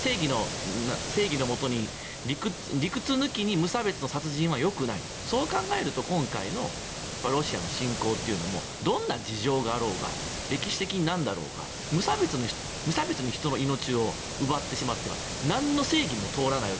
正義のもとに理屈抜きに無差別の殺人はよくないそう考えると今回のロシアの侵攻というのはどんな事情があろうが歴史的になんだろうが無差別に人の命を奪ってしまってはなんの正義も通らない。